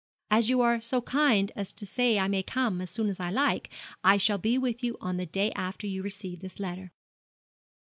'As you are so kind as to say I may come as soon as I like, I shall be with you on the day after you receive this letter.'